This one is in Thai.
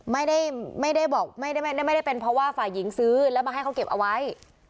ไม่ได้ไม่ได้บอกไม่ได้ไม่ได้เป็นเพราะว่าฝ่ายหญิงซื้อแล้วมาให้เขาเก็บเอาไว้